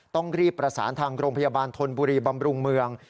ต้องรีบประสานทางโรงพยาบาลธนบุรีบำรุงเมือง